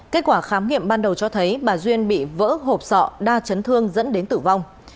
kết quả khám nghiệm ban đầu cho thấy bà duyên bị vỡ hộp sọ đa chấn thương dẫn đến tử vong